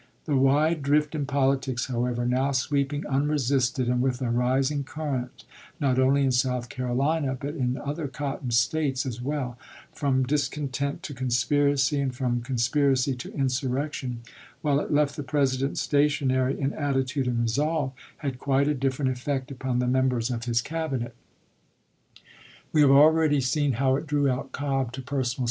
The wide drift in politics, however, now sweep ing unresisted and with a rising current, not only in South Carolina, but in other Cotton States as well, from discontent to conspiracy and from con spiracy to insurrection, while it left the President stationary in attitude and resolve, had quite a dif ferent effect upon the members of his Cabinet. We THE CABINET EEGIME 77 have already seen how it drew out Cobb to personal chap. vi.